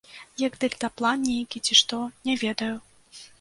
Як дэльтаплан нейкі ці што, не ведаю.